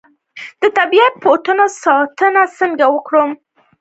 د طبیعي بوټو ساتنه څنګه وکړم؟